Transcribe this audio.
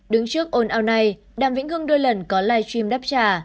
đứng trước ôn ào này đàm vĩnh hương đôi lần có live stream đáp trả